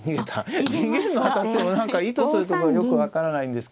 逃げるのはだってもう何か意図するとこはよく分からないんですけど。